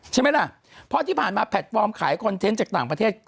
ใช่ไหมล่ะเพราะที่ผ่านมาแพลตฟอร์มขายคอนเทนต์จากต่างประเทศ